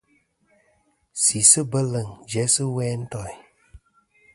Sisɨ bweleŋ jæ sɨ we a ntoyn.